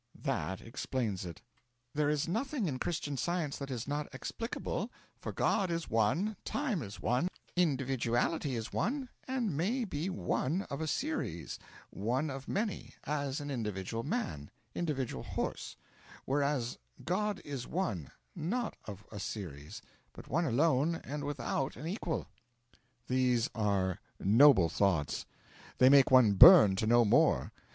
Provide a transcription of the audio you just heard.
'That explains it.' 'There is nothing in Christian Science that is not explicable; for God is one, Time is one, Individuality is one, and may be one of a series, one of many, as an individual man, individual horse; whereas God is one, not one of a series, but one alone and without an equal.' 'These are noble thoughts. They make one burn to know more.